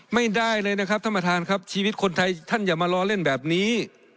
ไม่ได้เลยนะครับท่านประธานครับชีวิตคนไทยท่านอย่ามารอเล่นแบบนี้